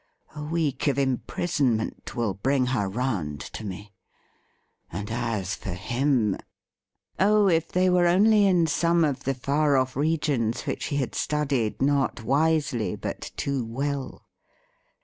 A week of imprisonment will bring her round to me. And as for him !' Oh, if they were only in some of the far off regions which he had studied not wisely but too well